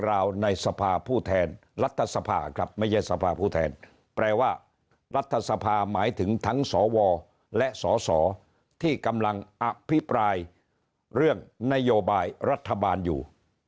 ไม่ใช่สภาพูดแทนแปลว่ารัฐสภาหมายถึงทั้งสวและสสที่กำลังอภิปรายเรื่องนโยบายรัฐบาลอยู่